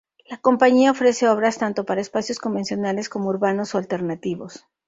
La compañía ofrece obras tanto para espacios convencionales como urbanos o alternativos.